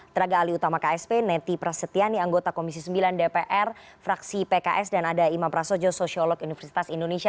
terima kasih pks dan ada imam prasojo sosiolog universitas indonesia